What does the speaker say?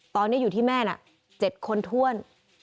ตอนนี้อยู่ที่แม่น่ะ๗คนถ้วน